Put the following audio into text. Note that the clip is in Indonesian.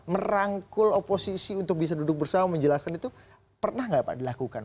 merangkul oposisi untuk bisa duduk bersama menjelaskan itu pernah nggak pak dilakukan